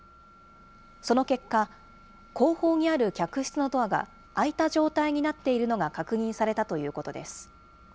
その結果、後方にある客室のドアが開いた状態になっているのが確認されたということです。